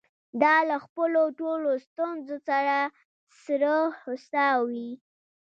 دا له خپلو ټولو ستونزو سره سره هوسا وې.